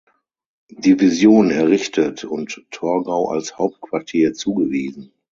Division errichtet und Torgau als Hauptquartier zugewiesen.